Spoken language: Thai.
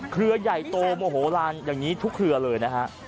ใหญ่โตโมโหลานอย่างนี้ทุกเครือเลยนะฮะ